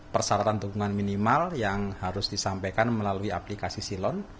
persyaratan dukungan minimal yang harus disampaikan melalui aplikasi silon